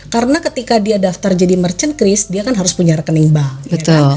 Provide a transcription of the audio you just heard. karena ketika dia daftar jadi merchant kris dia kan harus punya rekening bank